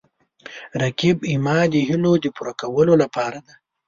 رقیب زما د هیلو د پوره کولو لپاره دی